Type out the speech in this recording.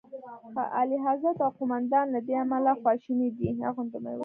اعلیخضرت او قوماندان له دې امله خواشیني دي.